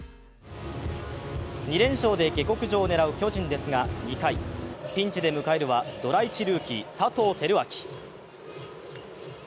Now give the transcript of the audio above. ２連勝で下克上を狙う巨人ですが２回、ピンチで迎えるは、ドラ１ルーキー・佐藤輝明。